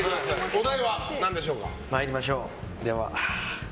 お題は何でしょうか。